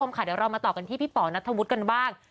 เดี๋ยวเรามาต่อกันที่พี่ป๋อนัทธวุฒิกันบ้าง